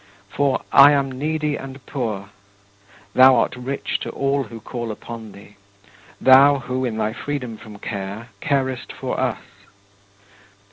For "I am needy and poor"; thou art rich to all who call upon thee thou who, in thy freedom from care, carest for us.